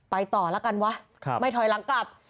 ต่อแล้วกันวะไม่ถอยหลังกลับ